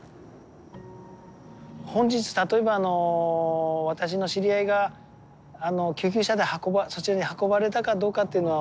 本日例えばあの私の知り合いが救急車でそちらに運ばれたかどうかっていうのは。